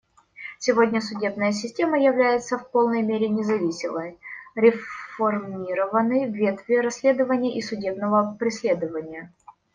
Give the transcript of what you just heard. Сегодня судебная система является в полной мере независимой; реформированы ветви расследования и судебного преследования.